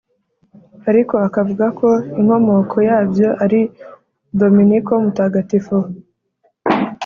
ariko akavuga ko inkomoko yabyo ari dominiko mutagatifu